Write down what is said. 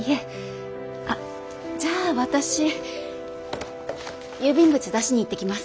あっじゃあ私郵便物出しに行ってきます。